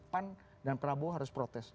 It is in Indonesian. pan dan prabowo harus protes